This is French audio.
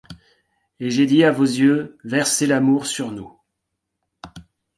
Et j’ai dit à vos yeux: Versez l’amour sur nous!